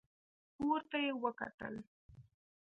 پورته يې وکتل.